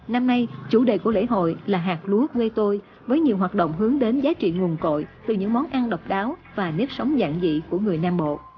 năm nay chủ đề của lễ hội là hạt lúa với tôi với nhiều hoạt động hướng đến giá trị nguồn cội từ những món ăn độc đáo và nếp sống dạng dị của người nam bộ